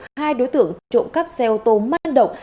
hai đối tượng trộm cắp xe ô tô mang động